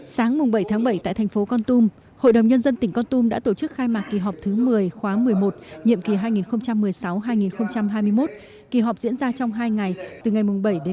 sáng bảy tháng bảy tại thành phố con tum hội đồng nhân dân tỉnh con tum đã tổ chức khai mạc kỳ họp thứ một mươi khóa một mươi một nhiệm kỳ hai nghìn một mươi sáu hai nghìn hai mươi một kỳ họp diễn ra trong hai ngày từ ngày bảy đến hai mươi